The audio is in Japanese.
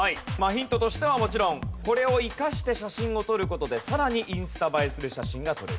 ヒントとしてはもちろんこれを生かして写真を撮る事でさらにインスタ映えする写真が撮れる。